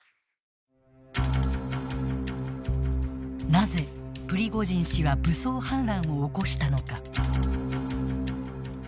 なぜプリゴジン氏は武装反乱を起こしたのか。